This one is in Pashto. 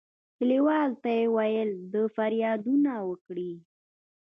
کلیوالو ته یې ویل د فریادونه وکړي.